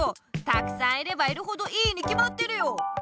たくさんいればいるほどいいにきまってるよ！